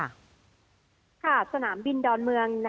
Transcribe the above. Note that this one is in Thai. สนามบินอากาศดอนเมือง